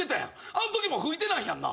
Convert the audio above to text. あんときも吹いてないやんな？